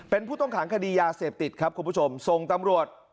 เป็นผู้ต้องขังคดียาเสพติดครับคุณผู้ชมส่งตำรวจ